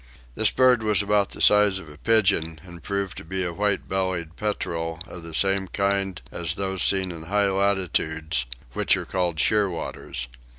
This bird was about the size of a pigeon, and proved to be a white bellied petrel of the same kind as those seen in high latitudes, which are called shearwaters.